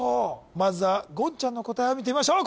まずは言ちゃんの答えを見てみましょう